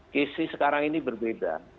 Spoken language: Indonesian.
krisis sekarang ini berbeda